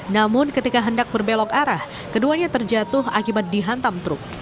namun ketika hendak berbelok arah keduanya terjatuh akibat dihantam truk